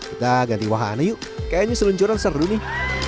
udah ganti wahane yuk kayaknya seluncuran seru nih